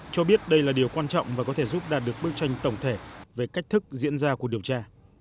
cho biết đây là điều quan trọng và có thể giúp đạt được bức tranh tổng thể về cách thức diễn ra cuộc điều tra